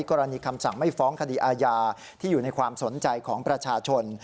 กรณีคำสั่งไม่ฟ้องคดีอาญาที่อยู่ในความสนใจของประชาชน